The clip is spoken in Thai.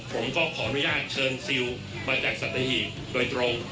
ผมก็ขออนุญาตเชิญซิลมาจากสัตหีบโดยตรง